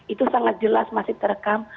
itu sangat jelas masih terekam